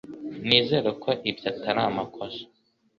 Nizere ko ibyo atari amakosa